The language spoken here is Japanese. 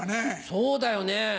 そうだよね。